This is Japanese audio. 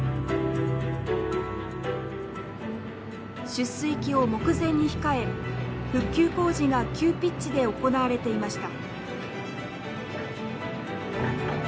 出水期を目前に控え復旧工事が急ピッチで行われていました。